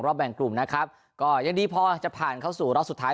แบ่งกลุ่มนะครับก็ยังดีพอจะผ่านเข้าสู่รอบสุดท้าย